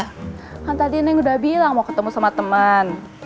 kan tadi neng udah bilang mau ketemu sama teman